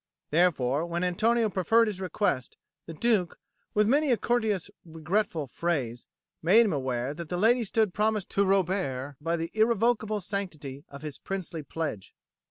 Therefore, when Antonio preferred his request, the Duke, with many a courteous regretful phrase, made him aware that the lady stood promised to Robert by the irrevocable sanctity of his princely pledge.